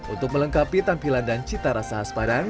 untuk melengkapi tampilan dan cita rasa khas padang